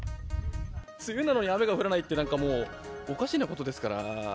梅雨なのに雨が降らないって、なんかもうおかしなことですから。